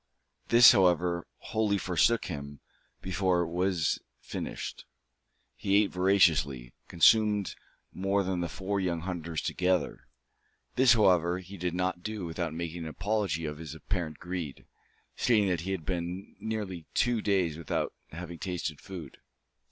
This, however, wholly forsook him before it was finished. He ate voraciously, consuming more than the four young hunters together. This, however, he did not do without making an apology for his apparent greed; stating that he had been nearly two days without having tasted food.